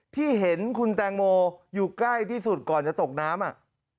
ที่เห็นคุณแตงโมอยู่ใกล้ที่สุดก่อนจะตกน้ำอ่ะ